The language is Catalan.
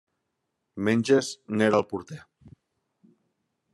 Menges n'era el porter.